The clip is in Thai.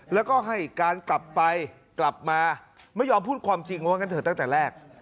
แล้วก็ให้การกลับไปกลับมาไม่ยอมพูดความจริงว่างั้นเถอะตั้งแต่แรก